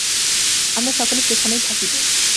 আমরা সকলে সেইখানেই থাকিব।